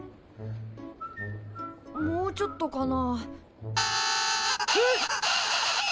もうちょっとかな？え？